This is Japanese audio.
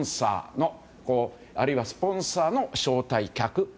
あとスポンサーの招待客。